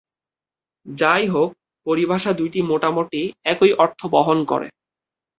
যাই হোক, পরিভাষা দুইটি মোটামুটি একই অর্থ বহন করে।